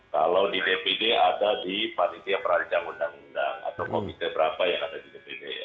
kalau di dpd ada di komisi perancang ruu atau komisi beberapa yang ada di dpd ya